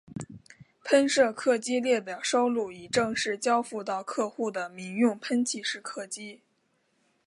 喷射客机列表收录已正式交付到客户的民用喷气式客机。